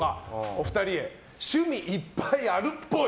お二人へ趣味いっぱいあるっぽい。